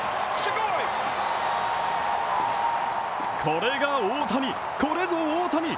これが大谷、これぞ大谷。